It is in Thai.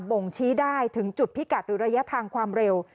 บ่งชี้ได้ถึงจุดพิกัดหรือระยะทางความเร็ว